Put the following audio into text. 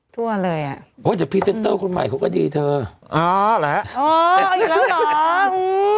แต่ที่ต้องเอาอีกแล้วเหรอ